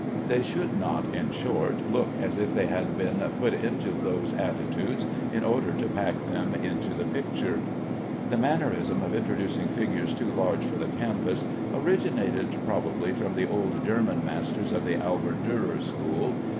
They should not, in short, look as if they had been put into those attitudes in order to pack them into the picture. The mannerism of introducing figures too large for the canvas originated probably with the old German masters of the Albert Durer school.